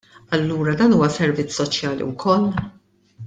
Allura dan huwa servizz soċjali wkoll?